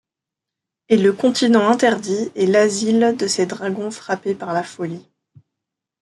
Et le continent interdit est l’asile de ces dragons frappés par la folie.